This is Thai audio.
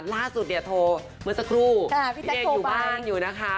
ล่าสุดเนี่ยโทรเมื่อสักครู่พี่เออยู่บ้านอยู่นะคะ